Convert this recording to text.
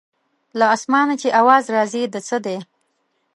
له اسمانه چې اواز راځي د څه دی.